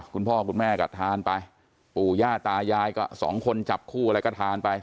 คุณพ่อคุณแม่ก็ทานไปปู่ย่าตายายก็สองคนจับคู่อะไรก็ทานไป